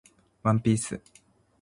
ワンピース